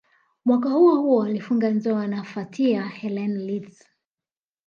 Mwaka huohuo alifunga ndoa na Fathia Helen Ritzk